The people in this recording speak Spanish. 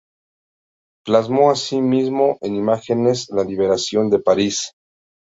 Plasmó asimismo en imágenes la liberación de París.